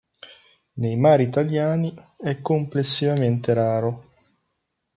Nei mari italiani è complessivamente raro.